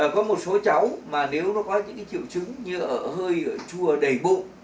có một số cháu mà nếu nó có những triệu chứng như hơi chua đầy bụng